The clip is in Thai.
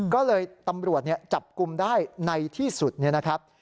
ก็เลยตำรวจจับกลุ่มได้ในที่สุดเนี่ยนะครับ